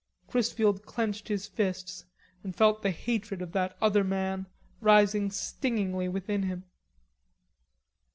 Chrisfield clenched his fists and felt the hatred of that other man rising stingingly within him.